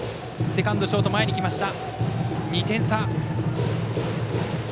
セカンド、ショートは前に来ました。